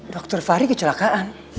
dokter fahri kecelakaan